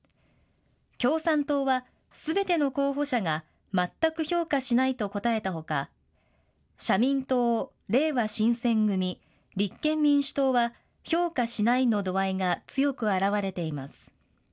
共産党はすべての候補者が全く評価しないと答えたほか、社民党、れいわ新選組、立憲民主党は評価しないの度合いが強く表れています。